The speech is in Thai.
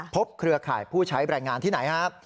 เครือข่ายผู้ใช้แรงงานที่ไหนครับ